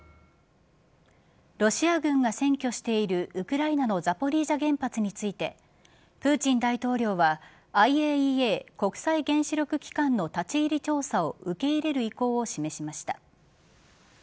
ロシア軍が占拠しているウクライナのザポリージャ原発についてプーチン大統領はＩＡＥＡ＝国際原子力機関の立ち入り調査を受け入れる意向を示しました。